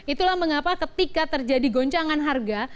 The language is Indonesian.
itulah mengapa ketika terjadi goncangan harga